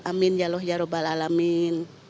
amin ya allah ya rabbul alamin